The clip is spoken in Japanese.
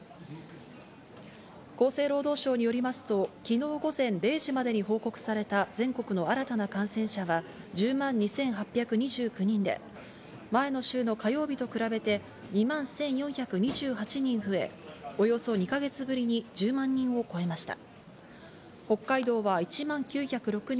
厚生労働省によりますと、きのう午前０時までに報告された全国の新たな感染者は１０万２８２９人で、前の週の火曜日と比べて２万１４２８人増え、およそ２か月ぶりに１０万人を超えました。